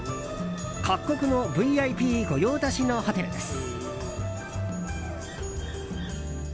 各国のＶＩＰ御用達のホテルです。